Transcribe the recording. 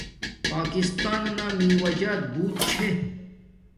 پاکستانانا میوہ جات بوت چھے